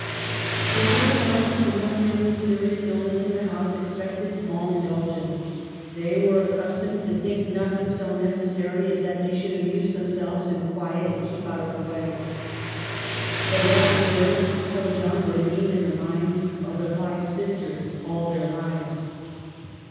The little ones, familiar with serious illness in the house, expected small indulgence. They were accustomed to think nothing so necessary as that they should amuse themselves in quiet, and keep out of the way. The lesson learned so young remained in the minds of the five sis ters all their lives.